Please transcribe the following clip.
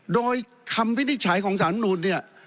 โดยคำวินิจฉัยของสารมนุนเนี่ย